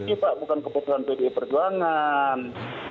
ini pak bukan kebutuhan bdip perjuangan